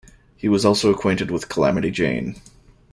He was also acquainted with Calamity Jane.